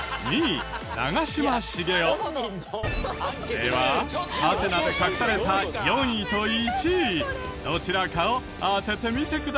ではハテナで隠された４位と１位どちらかを当ててみてください。